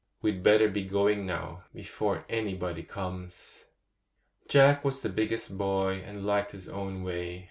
'We'd better be going now, before anybody comes.' Jack was the biggest boy, and liked his own way.